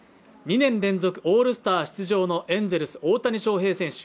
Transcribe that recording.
２年連続オールスター出場のエンゼルス・大谷翔平選手。